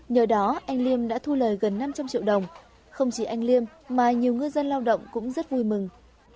nhờ đó anh liêm đã thu lời gần năm trăm linh triệu đồng không chỉ anh liêm mà nhiều ngư dân lao động cũng rất vui mừng